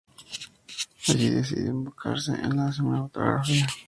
Allí decidió embarcarse en la cinematografía.